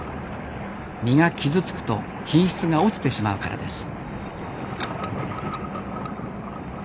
身が傷つくと品質が落ちてしまうからです。